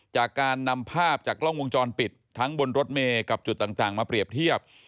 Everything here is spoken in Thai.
จากการนำภาพจากกล้องวงจรปิดทั้งบนรถเมย์กับจุดต่างมาเปรียบเทียบ